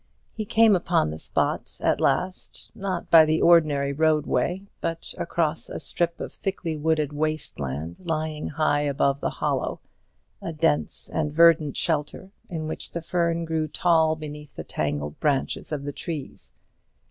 He came upon the spot at last, not by the ordinary roadway, but across a strip of thickly wooded waste land lying high above the hollow a dense and verdant shelter, in which the fern grew tall beneath the tangled branches of the trees.